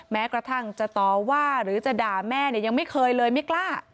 แม้กระทั่งจะต่อว่าหรือจะด่าแม่เนี่ยยังไม่เคยเลยไม่กล้า